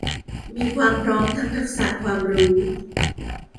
มีความพร้อมทั้งทักษะความรู้